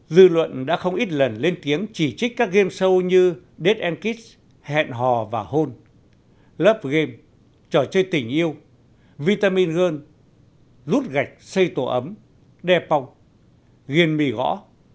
dư luận đã không ít lần lên tiếng chỉ trích các game show như dead end kids hẹn hò và hôn love game trò chơi tình yêu vitamin girl rút gạch xây tổ ấm depong ghiền mì gõ